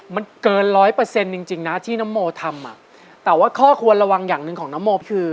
มันเกินร้อยเปอร์เซ็นต์จริงจริงนะที่น้ำโมทำอ่ะแต่ว่าข้อควรระวังอย่างหนึ่งของนโมคือ